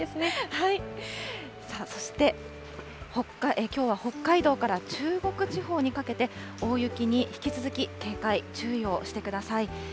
そして、きょうは北海道から中国地方にかけて、大雪に引き続き警戒、注意をしてください。